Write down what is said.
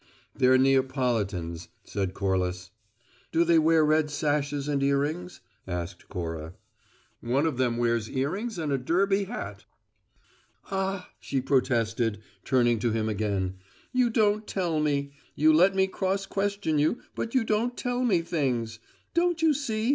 "They're Neapolitans," said Corliss. "Do they wear red sashes and earrings?" asked Cora. "One of them wears earrings and a derby hat!" "Ah!" she protested, turning to him again. "You don't tell me. You let me cross question you, but you don't tell me things! Don't you see?